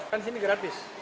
kan ini gratis